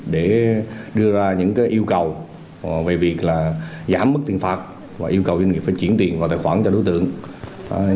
và đưa ra những yêu cầu về việc giảm mức tiền phạt và yêu cầu doanh nghiệp phải chuyển tiền vào tài khoản cho doanh nghiệp